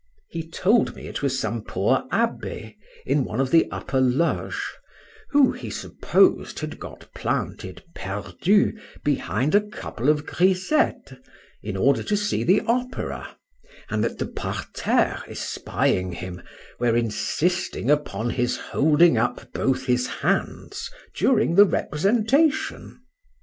He told me it was some poor Abbé in one of the upper loges, who, he supposed, had got planted perdu behind a couple of grisettes in order to see the opera, and that the parterre espying him, were insisting upon his holding up both his hands during the representation.